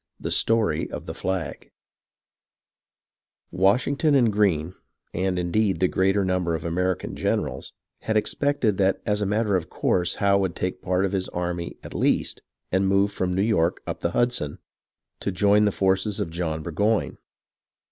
THE STORY OF THE FLAG Washington' and Greene, and, indeed, the greater number of the American generals, had expected that as a matter of course Howe would take a part of his army, at least, and move from New York up the Hudson, to join the forces of John Burgoyne.